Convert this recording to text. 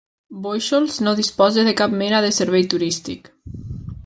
Bóixols no disposa de cap mena de servei turístic.